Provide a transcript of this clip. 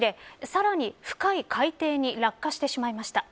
さらに深い海底に落下してしまいました。